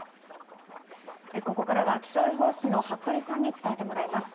ここからは気象予報士の服部さんに伝えてもらいます。